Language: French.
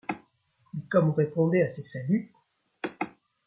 Mais comme on répondait à ces saluts !